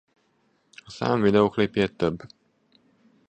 A szám videóklipjét több.